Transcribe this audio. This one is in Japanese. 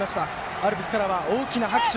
アルプスからは大きな拍手。